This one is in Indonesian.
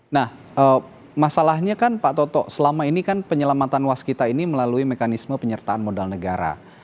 nah masalahnya kan pak toto selama ini kan penyelamatan waskita ini melalui mekanisme penyertaan modal negara